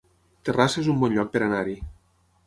Terrassa es un bon lloc per anar-hi